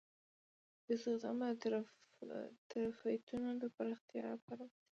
استخدام باید د ظرفیتونو د پراختیا لپاره وشي.